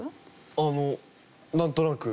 あのなんとなく。